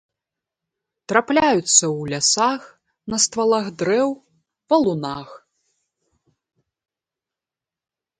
Трапляюцца ў лясах на ствалах дрэў, валунах.